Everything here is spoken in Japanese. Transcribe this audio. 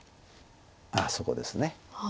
あっそこです。